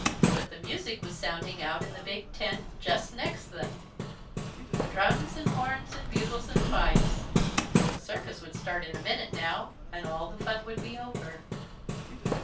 But the music was sounding out in the big tent just next them drums and horns and bugles and fifes. The circus would start in a minute now and all the fun would be over.